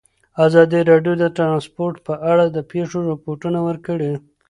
ازادي راډیو د ترانسپورټ په اړه د پېښو رپوټونه ورکړي.